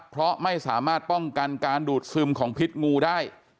เพราะไม่สามารถป้องกันการดูดซึมของพิษงูได้